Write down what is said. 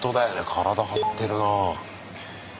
体張ってるなあ。